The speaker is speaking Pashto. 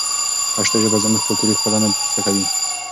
پښتو ژبه زموږ کلتوري ښکلا نه پیکه کوي.